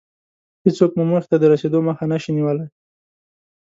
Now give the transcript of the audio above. هېڅوک مو موخې ته د رسېدو مخه نشي نيولی.